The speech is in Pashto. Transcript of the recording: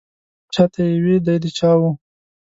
چا ته یې وې دی د چا و.